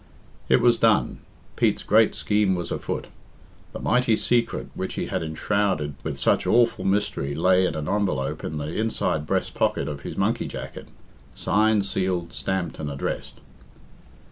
It was done! Pete's great scheme was afoot! The mighty secret which he had enshrouded with such awful mystery lay in an envelope in the inside breast pocket of his monkey jacket, signed, sealed, stamped, and addressed.